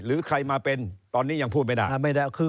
หรือใครมาเป็นตอนนี้ยังพูดไม่ได้คือ